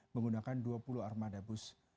menggunakan dua puluh armada bus